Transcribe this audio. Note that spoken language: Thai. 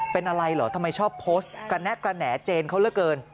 เป็นอะไรเหรอทำไมชอบโพสต์กระแนะกระแหน่เจนเขาเหลือเกิน